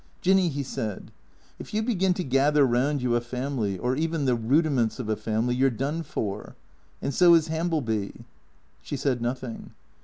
"Jinny," he said, "if you begin to gather round you a family, or even the rudiments of a family, you 're done for. And so is Hambleby." She said nothing.